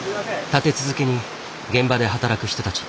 立て続けに現場で働く人たち。